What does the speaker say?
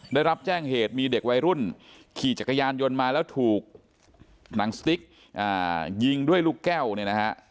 ได้รับแจ้งเหตุมีเด็กวัยรุ่นขี่จักรยานยนต์มาแล้วถูกหนังสติ๊กยิงด้วยลูกแก้วเนี่ยนะฮะ